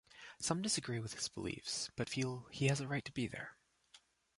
Some disagree with his beliefs, but feel he has a right to be there.